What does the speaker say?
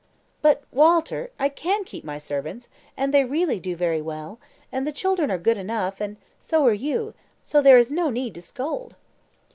"But, Walter, I can keep my servants, and they really do very well; and the children are good enough, and so are you; so there is no need to scold."